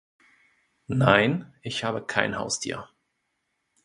Nein, ich habe kein Haustier.